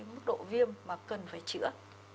mức độ viêm mà cần phải chữa